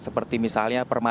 seperti misalnya permainan